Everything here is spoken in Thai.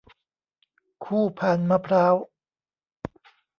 คู่พานมะพร้าว